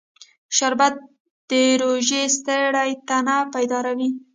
شربت د روژې ستړی تن بیداروي